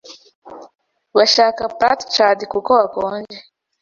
bashaka plat chaud kuko hakonje